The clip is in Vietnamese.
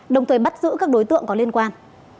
đồng thời bắt giữ các đối tượng có liên quan